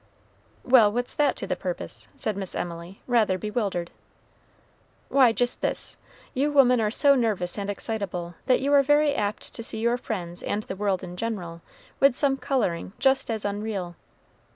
"Well, what's that to the purpose?" said Miss Emily, rather bewildered. "Why, just this: you women are so nervous and excitable, that you are very apt to see your friends and the world in general with some coloring just as unreal.